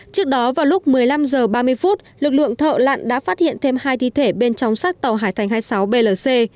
trước đó vào lúc một mươi năm h ba mươi phút lực lượng thợ lặn đã phát hiện thêm hai thi thể bên trong sát tàu hải thành hai mươi sáu blc